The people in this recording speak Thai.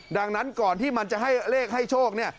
ดังนั้นก่อนที่มันจะให้เลขให้โชคเนี่ย